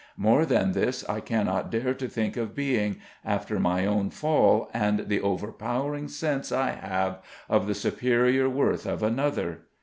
More than this I cannot dare to think of being, after my own fall and the overpowering sense I have of the superior worth of another.